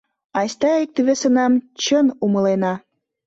Айста икте-весынам чын умылена!